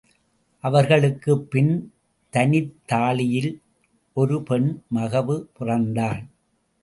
அவர்களுக்குப்பின் தனித்தாழியில் ஒரு பெண் மகவு பிறந்தாள்.